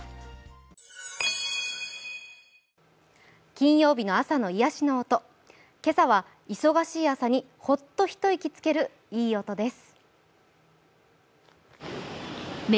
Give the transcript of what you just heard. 金曜日の朝の癒やしの音、今朝は忙しい朝にホッと一息つける、いい音です。